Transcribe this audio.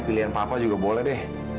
pilihan papa juga boleh deh